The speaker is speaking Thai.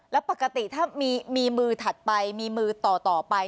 แล้วปกติถ้ามีมือถัดไปมีมือต่อไป